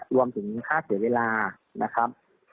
รวมถึงค่าเสียเวลานะครับ